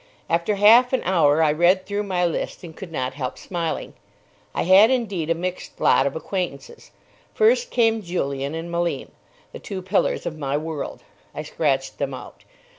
After half an hour I read through my list, and could not help smiling. I had indeed a mixed lot of acquaintances. First came Julian and Malim, the two pillars of my world. I scratched them out.